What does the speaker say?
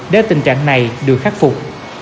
để tình trạng này được khắc phục